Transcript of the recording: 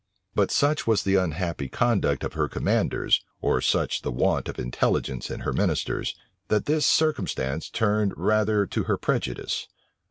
But such was the unhappy conduct of her commanders, or such the want of intelligence in her ministers, that this circumstance turned rather to her prejudice.